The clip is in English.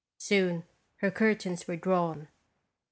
Soon her cur tains were drawn.